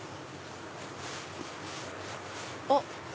あっ！